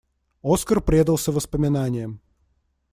Оскар предался воспоминаниям.